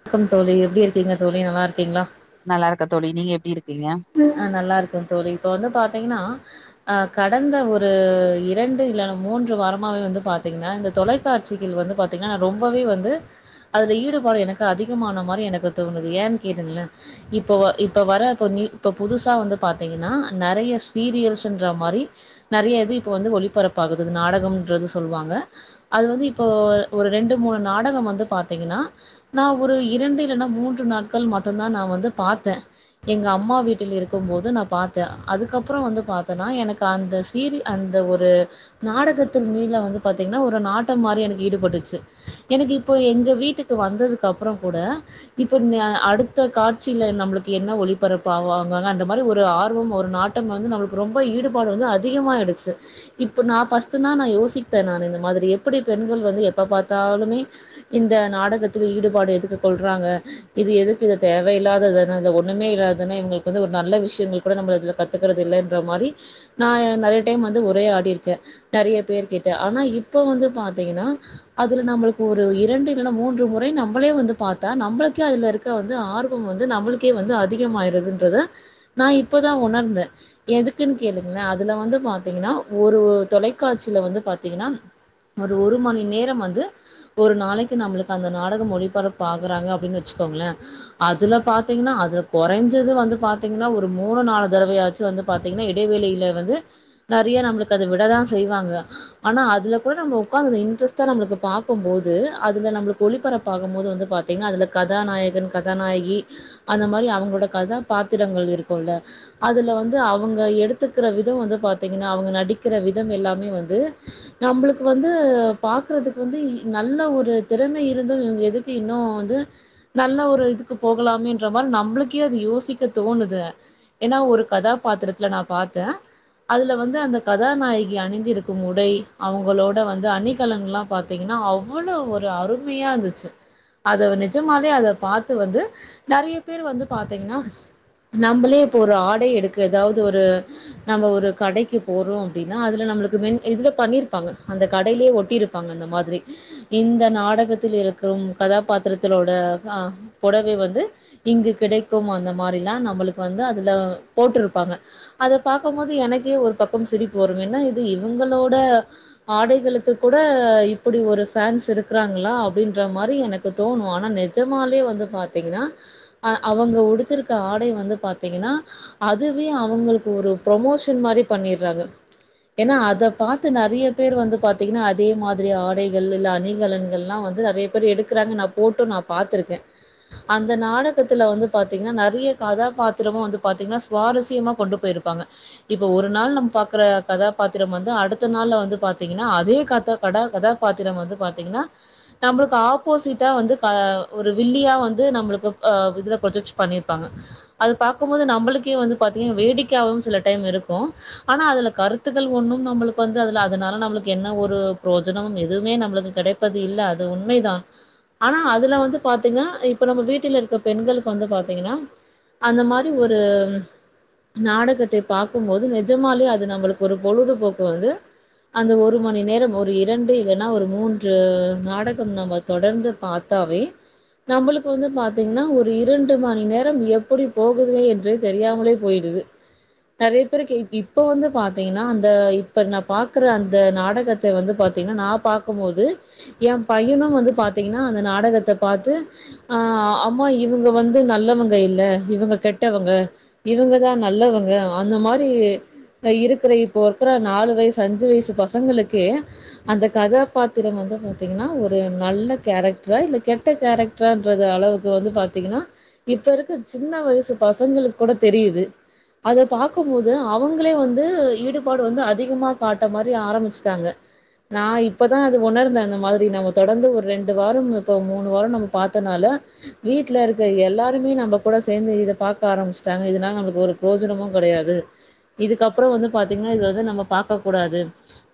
வணக்கம் தோழி எப்டி இருக்கீங்க தோழி நல்லா இருக்கீங்களா நல்லா இருக்க தோழி நீங்க எப்டி இருக்கீங்க ஆ நல்லாருக்கு தோழி இப்ப வந்து பாத்தீங்கனா அ கடந்த ஒரு இரண்டு இல்லனா மூன்று வாரமாவே வந்து பாத்தீங்ன்னா இந்த தொலை க்காட்சிகள் வந்து பாத்தீங்ன்னா ரொம்பவே வந்து அதுல ஈடுபாடு எனக்கு அதிகமான மாரி எனக்கு தோணுது ஏன் கேளுங்ளே இப்போ வ இப்ப வரப்போ நீ இப்போ புதுசா வந்து பாத்தீங்கன்னா நெறைய சீரியல்ஸுன்ற மாரி நெறைய இது இப்ப வந்து ஒளிப்பரப்பாகுது நாடகம்ன்றது சொல்வாங்க அது வந்து இப்போ ஒரு ரெண்டு மூணு நாடகம் வந்து பாத்தீங்கனா நா ஒரு இரண்டு இல்லனா மூன்று நாட்கள் மட்டுந்தா நா வந்து பாத்தே எங்க அம்மா வீட் டில் இருக்கும் போது நா பாத்தே அதுக்கப்பறோ வந்து பாத்தனா எனக்கு அந்த சீரி அந்த ஒரு நாடகத்து மேல வந்து பாத்தீங்னா ஒரு நாட்டம் மாரி எனக்கு ஈடுபட்டுச்சு எனக்கு இப்போ எங்க வீட்டுக்கு வந்ததுக்கப்றோ கூட இப்ப நா அடுத்த காட்சில நம்ளுக்கு என்ன ஒளிப்பரப்பாவா ங்க அந்த மாரி ஒரு ஆர்வம் ஒரு நாட்டம் வந்து நம்ளுக்கு ரொம்ப ஈடுபாடு வந்து அதிகமாய்டுச்சு இப்ப நா ஃபஸ்ட்டுனா நா யோசிப்பே நானு இந்த மாதிரி எப்பிடி பெண்கள் வந்து எப்ப பாத்தாலுமே இந்த நாடகத்துல ஈடுபாடு எதுக்கு கொள்றாங்க இது எதுக்கு இது தேவையில்லாதது தான அதுல ஒன்னுமே இல்லாத் தான இவுங்கள்க் கு வந்து ஒரு நல்ல விஷ்யங்கள் கூட நம்ம இதுல கத்துக்கறது இல்லன்ற மாரி நா இத் நெறைய டைம் வந்து உரையாடிர்க்கே நெறைய பேர் கிட்ட ஆனா இப்ப வந்து பாத்தீங்கனா அதுல நம்ளுக் ஒரு இரண்டு இல்லனா மூன்று முறை நம்மளே வந்து பாத்தா நம்மளுக்கே அதுல இருக் கற வந்து ஆர்வம் வந்து நம்மளுக்கே வந்து அதிகமாயிருதுன்றத நா இப்பதா உணர்ந்தே எதுக்குன் கேளுங்ளே அதுல வந்து பாத்தீங்கனா ஒரு தொலைக்காட்சில வந்து பாத்தீங்கனா ஒரு ஒரு மணி நேரம் வந்து ஒரு நாளைக்கி நம்ளுக் அந்த நாடகம் ஒளிப்பரப்பாகுறாங்க அப்டின் வெச்சுக்கோங்ளே அதுல பாத்தீங்னா அதுல கொறஞ்சது வந்து பாத்தீங்னா ஒரு மூணு நாலு தடவயாச்சு வந்து பாத்தீங்னா இடைவேளையில வந்து நெறைய நம்ளுக்கு அத விட தா செய்வாங்க ஆனா அதுல கூட நம்ம உக்காந்து இன்ட்ரஸ்ட்டா நம்ளுக்கு பாக்கும்போது அதுல நம்ளுக் ஒளிப்பரப்பாகம்போது வந்து பா த்தீங்னா அதுல கதாநாயகன், கதாநாயகி அந்த மாரி அவுங்களோட கதா பாத்திரங்கள் இருக்குல்ல அதுல வந்து அவுங்க எடுத்துக்கிற விதம் வந்து பாத்தீங்கனா அவுங்க நடிக்கிற விதம் எல்லாமே வந்து நம்ளுக் வந்து பாக்கறதுக் வந்து இ நல்ல ஒரு திறமை இருந்து இவுங்க இது க்கு இன்னு வந்து நல்ல ஒரு இதுக்கு போகலாமேன்ற மார் நம்ளுக்கே வந்து யோசிக் க தோணுது ஏனா ஒரு கதாபாத்திரத்துல நா பாத்தே அதுல வந்து அந்த கதாநாயகி அணிந்திருக்கும் உடை அவுங்களோட வந்து அணிகலன்ங்லா பாத் தீங்ன்னா அவ்வளவ் ஒரு அருமையா இருந்துச்சு அத நிஜமாலே அத பாத்து வந்து நெறைய பேர் வந்து பாத்தீங்ன்னா நம்மளே இப்ப ஒரு ஆடை எடுக்க எதாவ்து ஒரு நம்ம ஒரு கடைக்கு போறோ அப்டினா அதுல நம்ளுக்கு மென் இதுல பண்ணீர்ப்பாங்க அந்த கடைலே ஒட்டிருப் பாங்க இந்த மாதிரி இந்த நாடகத்தில் இருக்கும் கதாபாத்திரத்திலோட அ பொடவை வந்து இங்கு கிடைக்கும் அந்த மாரில்லா நம்மளுக் வந்து அதுல போட்ருப்பாங்க அத பாக்கும் போது எனக்கே ஒரு பக்கம் சிரிப்பு வரும் என்னா இது இவுங்களோட ஆடைகளுக்கு கூட இப்பிடி ஒரு ஃபேன்ஸ் இருக்றாங்ளா அப்டின்ற மாரி எனக் கு தோணு ஆனா நெஜமாலே வந்து பாத்தீங்கனா அ அவங்க உடுத்திருக் க ஆடை வந்து பாத்தீங்கனா அதுவே அவுங்களுக்கு ஒரு ப்ரொமோஷன் மாரி பண்ணிர்றாங்க எனா அதப் பாத்து நெறைய பேர் வந்து பாத்தீங்கனா அதே மாதிரி ஆடைகள் இல்ல அணிகலன்கள்லா வந்து நெறையப் பேர் எடுக்கறாங்க நாப் போட்டு நாப் பாத்திருக்கே அந்த நாடகத்துல வந்து பாத்தீங்னா நெர் ரிய்ய கதாபாத்திரமு வந்து பாத்தீங்னா சுவாரஸ்யமா கொண்டு போயிருப்பாங்க இப்போ ஒரு நாள் நம் பாக்கற கதாப்பாத்திரம் வந்து அடுத்த நாள்ல வந்து பாத்தீங்கனா அதே காத்தப் கடா கதாபாத்திரம் வந்து பாத்தீங்கனா நம்ளுக்கு ஆப்போசிட்டா வந்து க ஒரு வில்லியா வந்து நம்ளுக்கு அ இதுலப் பொஜக்ஸ் பண்ணிருப் ப்பாங்க அது பாக்கும்போது நம்மளுக்கே வந்து பாத்தீங்கன் வேடிக்கையாவு சில டைம் இருக்கு ஆனா அதுல கருத்துக்கள் ஒன்னும் நம்மளுக்கு வந்து அதுல அதனால நம்ளுக்கு என்ன ஒரு ப்ரோஜனமும் எதுவுமே நம்ளுக்கு கெடைக் பது இல்ல அது உண்மைதா ஆனா அதுல வந்து பாத்தீங்னா இப்ப நம்ம வீட்டில் இருக்க பெண்களுக்கு வந்து பாத்தீங்கனா அந்த மாரி ஒரும் நாடகத்தைப் பாக்கும்போது நெஜமாலே அது நம்மளுக்கு ஒரு பொழுதுபோக்கு வந்து அந்த ஒரு மணி நேரம் ஒரு இரண்டு இல்லனா ஒரு மூன்று நாடகம் நம்மத் தொடர்ந்து பாத்தாவே நம்புளுக்கு வந்து பாத்தீங்னா ஒரு இரண்டு மணி நேர் ரம் எப்படி போகுதுவே என்றே தெரியாமலே போய்டுது நெறைய பேருக்கு இப்ப வந்து பாத்தீங்கனா அந்த இப்ப நா பாக்குற அந்த நாடகத் த வந்து பாத்தீங்கனா நா பாக்கும்போது எம் பையனு வந்து பாத்தீங்கனா அந்த நாடகத்த பாத்து அ அம்மா இவுங்க வந்து நல்லவங் க இல்ல இவுங்க கெட்டவங்க இவுங்கதா நல்லவங்க அந்த மாரி த இருக்குற இப்போ இருக்கற நாலு வயசு அஞ்சு வயசு பசங்களுக்கே அந்த கதாபாத்திரம் வந்து பாத்தீங்கனா ஒரு நல்ல கேரக்ட்ரா இல்ல கெட்ட கேரக்ட் ட்ரான்றத அளவுக்கு வந்து பாத்தீங்கனா இப்ப இருக்க சின்ன வயசு பசங்களுக் கூட தெரியிது அதப் பாக்கும்போது அவுங்ளே வந்து ஈடுபாடு வந்து அதிகமா காட்ட மாரி ஆரமிச்சுட்டாங்க நா இப்பதா அது உணர்ந்தே அந்த மாதிரி நம்ம தொடர்ந்து ஒரு ரெண்டு வாரம் இப்ப மூனு வாரோ நம்ம பாத்தனால வீட்ல இருக்க எல்லாத் ருமே நம்பக் கூட சேந்து இதப் பாக்க ஆரமிச்ட்டாங்க இதனால நம்ளுக்கு ஒரு புரோஜனமுங் கெடையாது இதுக்கப்றோ வந்து பாத்தீங்னா இது வந்து நம்ம பாக்க கூடாது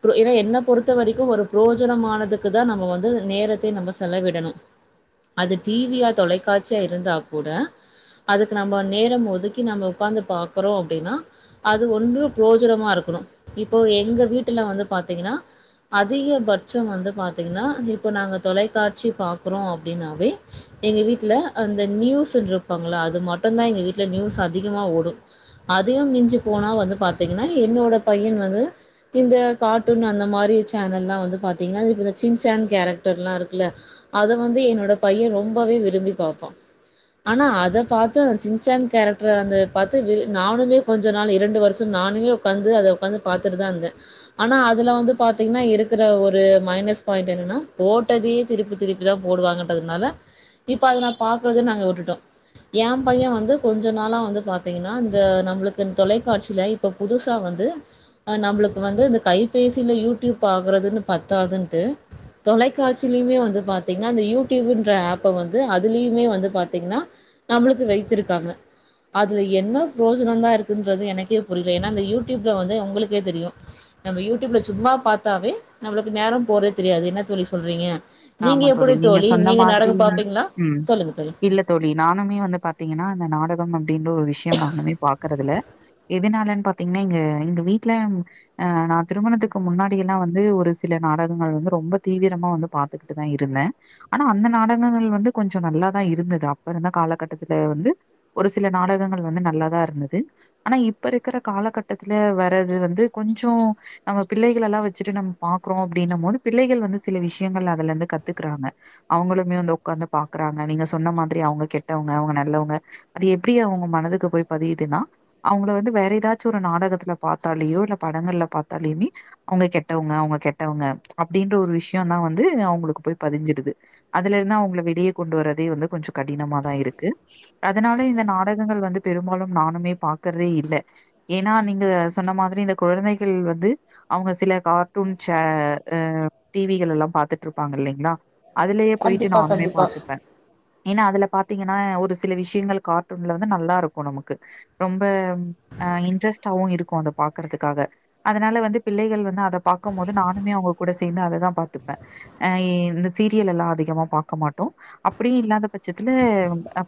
ட்ரு எனா என்னப் பொறுத்த வரைக்கும் ஒரு புரோஜனமானதுக்குதா நம்ம வந்து நேரத்தை நம்ம செலவிடணும் அது டி வியா தொலைக்காட்சியா இருந்தா கூட அதுக்கு நம்ம நேரம் ஒதுக்கி நம்ம உக்காந்து பாக்றோ அப்டினா அது ஒன்று புரோஜனமா இருக்கணு இப்போ எங்க வீட்டுல வந்து பாத்தீங்கனா அதிகபட்சம் வந்து பாத்தீங்னா இப்ப நாங்க தொலைக்காட்சி பாக்றோ அப்டினாவே எங்க வீட்ல அந்த நியூஸ்சுன்ட்ருப்பாங்கல்ல அது மட்டுந்தா எங்க வீட்ல நியூஸ் அதிகமா ஓடு அதையு மிஞ்சு போனா வந்து பாத்தீங்கன்னா என்னோட பையன் வந்து இந்த கார்ட்டூன் அந்த மாரி சேனல்லா வந்து பாத்தீங்னா இப்ப இந்த சின் சான் கேரக்டர்லா இருக்குல்ல அத வந்து என்னோட பைய ரொம்பவே விரும்பி பாப்பா ஆனா அதப் பாத்து அந்த சின் சான் கேரக்டர வந்து பாத்து விழு நானுமே கொஞ்ச நாள் இரண்டு வருஷம் நானுமே உக்காந்து அத உக்காந்து பாத்துட்டுதா இந்தே ஆனா அதுல வந்து பாத்தீங்னா இருக்குற ஒரு மைனஸ் பாயிண்ட்டு என்னனா போட்டதியே திருப்பி திருப்பிதா போடுவாங்கன்றதனால இப்ப அத நாப் பாக்றதே நாங்க வுட்டுட்டோ ஏம் பைய வந்து கொஞ்ச நாளா வந்து பாத்தீங்கனா இந்த நம்ளுக்குன் தொலைக்காட்சில இப்ப புதுசா வந்து அ நம்ளுக்கு வந்து இந்த கைப்பேசில யூடியூப் ஆகறதுனு பத்தாதுன்ட்டு தொலைக்காட்சியிலயுமே வந்து பாத்தீங்கன்னா அந்த யூடியூப்ன்ற ஆப்ப வந்து அதுலயுமே வந்து பாத்தீங்கன்னா நம்மளுக்கு வைத்திருக்காங்க அதுல என்ன பிரயோஜனோ தா இருக்குன்றது எனக்கே புரில ஏன்னா அந்த யூடியூப்ல வந்து உங்களுக்கே தெரியு நம்ம யூடியூப்ல சும்மா பார்த்தாவே நம்ளுக்கு நேரோ போறே தெரியாது என்ன தோழி சொல்றீங்க நீங்க ஆமா எப்படி தோழி சொன்ன நீங்க மாதிரி நாடகம் பாப்பிங்களா ம் சொல்லுங்க தோழி இல்ல தோழி நானுமே வந்து பாத்தீங்கன்னா அந்த நாடகம் அப்படின்ற ஒரு விஷயம் நானுமே பாக்குறதுல எதுனாலன்னு பாத்தீங்கன்னா இங்க எங்க வீட்டு்ல அ நா திருமணத்துக்கு முன்னாடிய எல்லா வந்து ஒரு சில நாடகங்கள் வந்து ரொம்ப தீவிரமா வந்து பா த்துகிட்டு தா இருந்தே ஆனா அந்த நாடகங்கள் வந்து கொஞ்சொ நல்லாதா இருந்தது அப்ப இருந்த காலகட்டத்துல வந்து ஒரு சில நாடகங்கள் வந்து நல்லாதா இருந்தது ஆனா இப்ப இருக்கற காலகட்டத்துல வர்றது வந்து கொஞ்சோ நம்ம பிள்ளைகள்லல்லா வச்சிட்டு நம் பாக்குறோ அப்படின்னும் போது பிள்ளைகள் வந்து சில விஷயங்கள்ல அதுல இருந்து கத்துக்குறாங்க அவங்களுமே வந்து உக்காந்து பாக்குறாங்க நீங்க சொன்ன மாதிரி அவங்க கெட்டவங்க அவங்க நல்லவங்க அது எப்டி அவங்க மனதுக்கு போய் பதியுதுன்னா அவங்கள வந்து வேற ஏதாச்சு ஒரு நாடகத்துல பார்த்தாலயோ இல்ல படங்கள்ல பார்த்தாலையுமே அவுங்க கெட்டவங்க அவுங்க கெட்டவங்க அப்டின்ற ஒரு விஷயோ தா வந்து அவங்களுக்கு போய் பதிஞ்சிடுது அதுல இருந்தே அவங்கல வெளியே கொண்டு வர்றதே வந்து கொஞ்சொ கடினம தா இருக்கு அதனால இந்த நாடகங்கள் வந்து பெரும்பாலும் நானுமே பாக்குறதே இல்ல ஏன்னா நீங்க சொன்ன மாதிரி இந்த கொழந்தைகள் வந்து அவங்க சில கார்ட்டூன் சே அ டிவிகள் எல்லாம் பா பாத்துட்டு இருப்பாங்க இல்லலைங்களா அதுலயே போயிட்டு கண்டிப்பா நானுமே கண்டிப்பா. பாத்துப்பே ஏன்னா அதுல பாத்தீங்கன்னா ஒரு சில விஷயங்கள் கார்ட்டூன்ல வந்து நல்லா இருக்கு நமக்கு ரொம்ப அ இன்ட்ரெஸ்ட்டாவவு இருக்கு அத பாக்குறதுக்காக அதனால வந்து பிள்ளைகள் வந்து அதை பாக்கும் போது நானுமே அவங்க கூட சேந்து அததா பார்த் அ இந்த சீரியல்லல்லா அதிகமா பாக்க மாட்டோ அப்படியு இல்லாத பட்சத்துல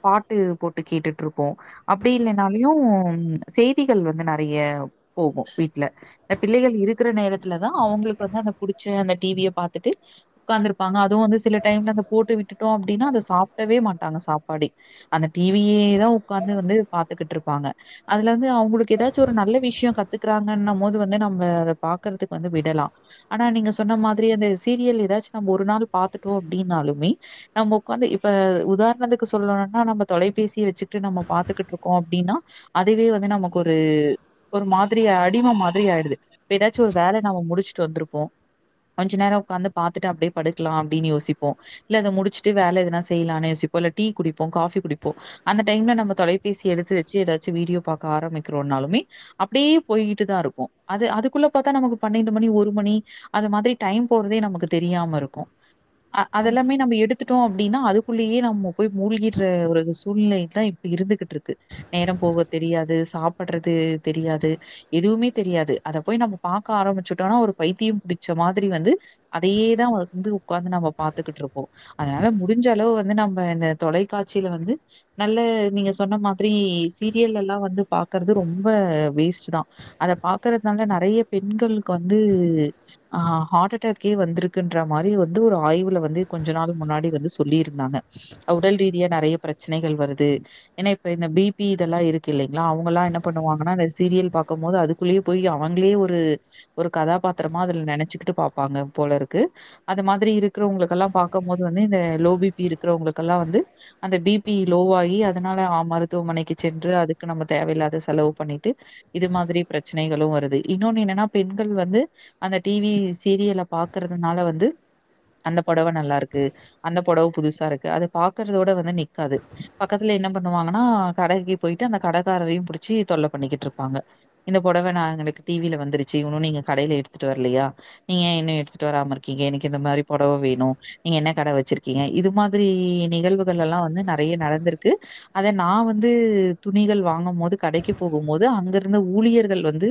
பாட்டு போட்டு கேட்டுட்டு இருப்போ அப்டி இல்லைனாலயு செய்திகள் வந்து நெறைய போகு வீட்ல இந்த பிள்ளைகள் இருக்கிற நேரத்துலதா அவங்களுக்கு வந்து அந்த புடிச்ச அந்த டிவிய பாத்துட்டு உட்காந்துருப்பாங்க அதுவு வந்து சில டைம்ல அந்த போட்டு விட்டுட்டோ அப்டின்னா அத சாப்பிடவே மாட்டாங்க சாப்பாடடி அந்த டிவியே தா உக்காந்து வந்து பாத்துக்கிட்டு இருப்பாங்க அதுல வந்து அவங்களுக்கு ஏதாச்சும் ஒரு நல்ல விஷயோ கத்துக்குறாங்கன்ன போது வந்து நம்ம அத பாக்குறதுக்கு வந்து விடலா ஆனா நீங்க சொன்ன மாதிரி அந்த சீரியல் ஏதாச்சும் நம்ம ஒரு நாள் பாத்துட்டோம் அப்படின்னாலுமே நம்ம உக்காந்து இப்ப உதாரணத்துக்கு சொல்லணும்னா நம்ம தொலைபேசிய வச்சுட்டு நம்ம பாத்துக்கிட்டு இருக்கோ அப்டின்னா அதுவே வந்து நமக்கு ஒரு ஒரு மாதிரி அடிம மாதிரி ஆயிடுது இப்ப ஏதாச்சு ஒரு வேலை நம்ம முடிச்சுட்டு வந்திருப்போ கொஞ்ச நேரோ உக்காந்து பாத்துட்டு அப்டியே படுக்கலா அப்படின்னு யோசிப்போ இல்ல அத முடிச்சுட்டு வேல எதன செய்யலானு யோசிப்போ இல்ல டீ குடிப்போ காபி குடிப்போ அந்த டைம்ல நம்ம தொலைபேசி எடுத்து வச்சு ஏதாச்சு வீடியோ பாக்க ஆரம்பிக்கிறோனாலுமே அப்டி போயிட்டு தா இருக்கும் அது அதுக்குள்ள பாத்தா நமக்கு பன்னெண்டு மணி ஒரு மணி அது மாதிரி டைம் போறதே நமக்கு தெரியாம இருக்கு அதெல்லாமே நம்ம எடுத்து கத்துட்டோ அப்டின்னா அதுக்குள்ளேயே நம்ம போய் மூழ்கிற ஒரு சூழ்நிலைதா இப்ப இருந்துகிட்டு இருக்கு நேரம் போவது தெரியாது சாப்படுறது தெரியாது எதுவுமே தெரியாது அதை போய் நம்ம பாக்க ஆரம்பிச்சுட்டோம்னா ஒரு பைத்தியம் புடிச்ச மாதிரி வந்து அதையே தா வந்து உக்காந்து நம்ம பாத்துக்கிட்டு இருப்போ அதனால முடிஞ்ச அளவு வந்து நம்ம இந்த தொலைக்காட்சில வந்து நல்ல நீங்க சொன்ன மாதிரி சீரியல் எல்லா வந்து பாக்குறது ரொம்ப வேஸ்ட் தா அத பாக்குறதுனால நெறைய பெண்களுக்கு வந்து ஆ ஹார்ட் அட்டாக் கே வந்திருக்குன்ற மாரி வந்து ஒரு ஆய்வுல வந்து கொஞ்ச நாள் முன்னாடி வந்து சொல்லிருந்தாங்க உடல் ரீதியா நெறைய பிரெச்சனைகள் வருது ஏனா இப்ப இந்த பிபி இதெல்லா இருக்கு இல்லைங்களா அவுங்கல்லா என்ன பண்ணுவாங்கன்னா இந்த சீரியல் பாக்கு போது அது குள்ளயே போய் அவுங்களயே ஒரு ஒரு கதாபாத்திரமா அதுல நெனச்சுகிட்டு பாப்பாங்க போல இருக்கு அது மாதிரி இருக்கிறவுங்களுக்கெல்லா பாக்க போது வந்து இந்த லோ பிபி இருக்கிறவுங்களுக்கெல்லா வந்து அந்த பிபி லோவாகி அதனால ஆ மருத்துவமனைக்கு சென்று அதுக்கு நம்ம தேவையில்லாத செலவு பண்ணிட்டு இது மாதிரி பிரச்சனைகளு வருது இன்னொன்னு என்னன்னா பெண்கள் வந்து அந்த டிவி சி சீரியல பாக்குறதுனால வந்து அந்த பொடவ நல்லா இருக்கு அந்த பொடவ புதுசா இருக்கு அத பாக்குறதோட வந்து நிக்காது பக்கத்துல என்ன பண்ணுவாங்கன்னா கட கி போயிட்டு அந்த கடைக்காரரையு புடிச்சி தொல்ல பண்ணிக்கிட்டு இருப்பாங்க இந்த பொடவ நா எனக்கு டிவில வந்துருச்சு இன்னு நீங்க கடைல எடுத்துட்டு வரலையா நீங்க இன்னு எடுத்துட்டு வராம இருக்கீங்க எனக்கு இந்த மாரி பொடவ வேணு நீங்க என்ன கடை வச்சிருக்கீங்க இது மாதிரி நிகழ்வுகள் எல்லா வந்து நெறைய நடந்திருக்கு அதை நா வந்து துணிகள் வாங்கு போது கடைக்கு போகு போது அங்க இருந்த ஊழியர்கள் வந்து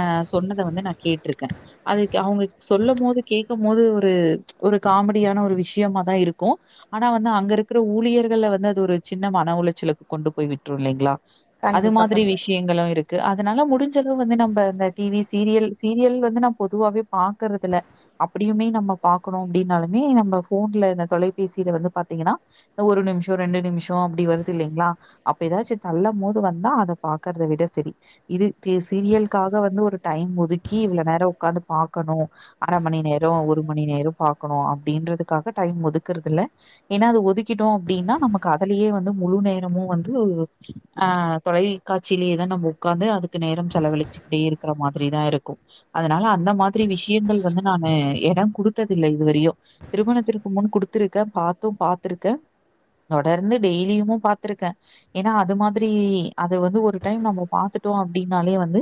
ஆ சொன்னத வந்து நா கேட்டிருக்கே அதுக்கு அவுங்க சொல்ல போது கேக்கு போது ஒரு ஒரு காமெடியான ஒரு விஷயமாதா இருக்கு ஆனா வந்து அங்க இருக்கிற ஊழியர்கள்ல வந்து அது ஒரு சின்ன மன உளைச்சலுக்கு கொண்டு போய் விட்டுரு இல்லைங்களா அது மாதிரி விஷ்ய ங்களு இருக்கு அதனால முடிஞ்சது வந்து நம்ம இந்த டிவி சீரியல் சீரியல் வந்து நா பொதுவாவே பா க்குறதுல்ல அப்டியுமே நம்ம பாக்கணு அப்டின்னாலுமே நம்ம ஃபோன்ல இந்த தொலைபேசில வந்து பாத்தீங்கனா இந்த ஒரு நிமிஷோ ரெண்டு நிமிஷோ அப்டி வருது இல்லைங்களா அப்டி ஏதாச்சு தள்ள போது வந்தா அத பாக்கறத விட செரி இது தி சீரியலுக்காக வந்து ஒரு டைம் ஒதுக்கி இவ்ளோ நேர உக்காந்து பாக்கணு அர மணி நேரோ ஒரு மணி நேரோ பாக்கணு அப்டின்றதுக்காக டைம் ஒதுக்குறது இல ஏனா அது ஒதுக்கிட்டோ அப்டின்னா நமக்கு அதுலயே வந்து முழு நேரமு வந்து ஆ தொலைக்காட்சியிலேயேதா நம்ம உக்காந்து அதுக்கு நேரம் செலவழிச்சுக்கிட்டே இருக்கிற மாரிதா இருக்கு அதனால அந்த மாதிரி விஷயங்கள் வந்து நானு எட குடுத் ததில்ல இதுவரையு திருமணத்திற்கு முன் குடுத்துருக்கே பாத்து பாத்திருக்கே தொடர்ந்து டெய்லியுமு பாத்திருக்கே ஏனா அது மாதிரி அது வந்து ஒரு டைம் நம்ம பாத்துட்டோ அப்டின்னாலே வந்து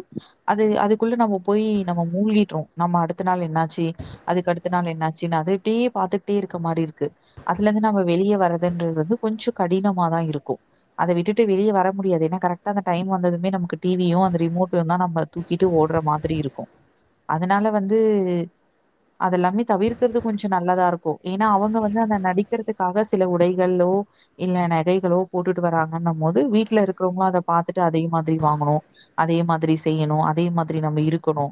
அது அதுக்குள்ள நம்ம போய் நம்ம மூழ்கிட்றோ நம்ம அடு அடுத்த நாள் என்னாச்சி அதுக்கு அடுத்த நாள் என்னாச்சி அத அப்டியே பாத்துக்கிட்டே இருக்க மாரி இருக்கு அதுல இருந்து நம்ம வெளிய வர்றதுன்றது வந்து கொஞ்சோ கடினமாதா இருக்கு அத விட்டுட்டு வெளிய வரமுடியாது ஏனா கரெக்டா அந்த டைம் வந்ததுமே நமக்கு டிவியு அந்த ரிமோட்டு தா நம்ப தூக்கிட்டு ஓடுற மாதிரி இருக்கு அதனால வந்து அதெல்லாமே தவிர்க்கிறது கொஞ்சோ நல்லதா இருக்கு ஏனா அவுங்க வந்து அந்த நடிக்கிறதுக்காக சில உடைகளோ இல்ல நகைகளோ போட்டுட்டு வராங்கன்ன போது வீட்ல இருக்கிறவுங்களு அத பாத்துட்டு அதே மாதிரி வாங்கணு அதே மாதிரி செய்யணு அதே மாதிரி நம்ம இருக்கணு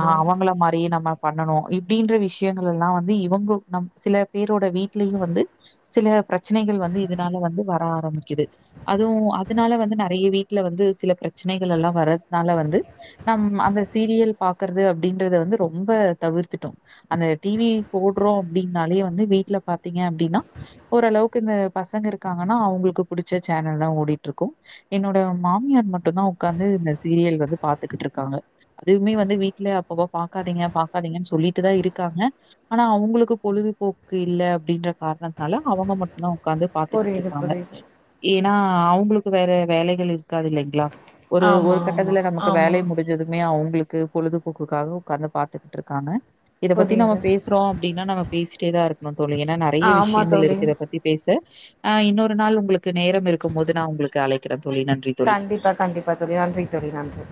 ஆ அவுங்கள அதயே நம்ம பண்ணனு இப்டின்ற விஷயங்கள் எல்லா வந்து இவுங்க நம் சில பேரோட வீட்லயு வந்து சில பிரெச்சனைகள் வந்து இதனால வந்து வர ஆரம்பிக்குது அதுவு அதனால வந்து நெறைய வீட்ல வந்து சில பிரெச்சனைகள் எல்லா வர்றதுனால வந்து நம் அந்த சீரியல் பாக்குறது அப்டின்றத வந்து ரொம்ப தவிர்த்துட்டோ அந்த டிவி போடுறோ அப்டின்னாலேயே வந்து வீட்டுல பாத்தீங்க அப்டின்னா ஓரளவுக்கு இந்த பசங்க இருக்காங்கன்னா அவுங்களுக்கு புடிச்ச சேனல் தா ஓடிட்டு இருக்கு என்னோட மாமியார் மட்டு தா ஒக்காந்து இந்த சீரியல் வந்து பாத்துக்கிட்டு இருக்காங்க அதுயுமே வந்து வீட்ல அப்பப்ப பாக்காதீங்க பாக்காதீங்கன்னு சொல்லிட்டு தா இருக்காங்க ஆனா அவுங்களுக்கு பொழுதுபோக்கு இல்ல அப்டின்ற காரணத்துனால அவங்க மட்டுதா உக்காந்து பாத்துக்கிட்ருக்காங்க ஏன்னா அவங்களுக்கு வேற வேலைகள் இருக்காது இல்லைங்களா ஒரு ஒரு ஆமா ஆமா கட்டத்துல நமக்கு ஆமா. வேலை முடி ஞ்சதுமே அவங்களுக்கு பொழுதுபோக்குக்காக உக்கார்ந்து பாத்துக்குட்ருக்காங்க இத பத்தி நம்ம புரியுது. பேசுறோ அப்டின்னா நம்ம பேசிட்டே தா இருக்கனு தோழி ஏன்னா நெறைய ஆமா விஷயங்கள் தோழி. இருக்கு இத பத் தி பேச ஆ இன்னொரு நாள் உங்களுக்கு நேரம் இருக்கும் போது நா உங்களுக்கு அழைக்குறே தோழி நன்றி தோழி. கண்டிப்பா கண்டிப்பா தோழி நன்றி தோழி நன்றி